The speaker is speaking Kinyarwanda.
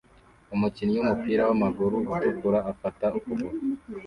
Umukinnyi wumupira wamaguru utukura afata ukuguru